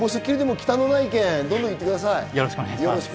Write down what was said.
忌憚のない意見をどんどん言ってください。